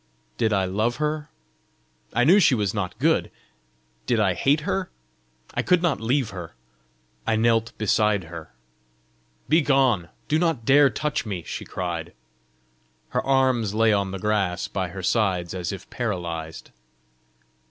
Did I love her? I knew she was not good! Did I hate her? I could not leave her! I knelt beside her. "Begone! Do not dare touch me," she cried. Her arms lay on the grass by her sides as if paralyzed.